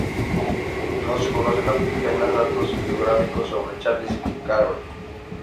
No se conocen apenas datos biográficos sobre Charles Calvert.